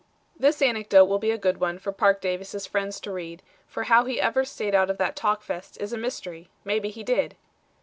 This anecdote will be a good one for Parke Davis' friends to read, for how he ever stayed out of that talk fest is a mystery maybe he did.